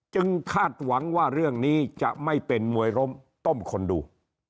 คาดหวังว่าเรื่องนี้จะไม่เป็นมวยล้มต้มคนดู